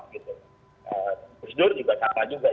presidur juga sama juga